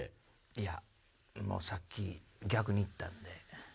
いやさっき逆にいったんで。